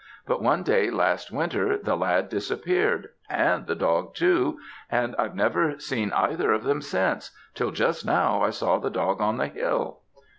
But, one day last winter, the lad disappeared, and the dog too, and I've never seen either of them since, till just now I saw the dog on the hill."